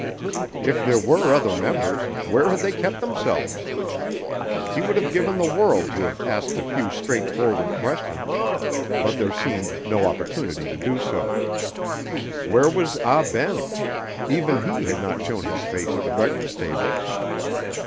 If there were other members, where had they kept themselves? He would have given the world to have asked a few straightforward questions, but there seemed no opportunity to do so. Where was Ah Ben? Even he had not shown his face at the breakfast table.